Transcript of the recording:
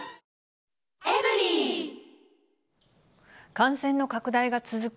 感染の拡大が続く